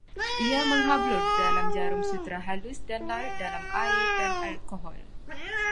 Ia menghablur dalam jarum sutera halus dan larut dalam air dan alkohol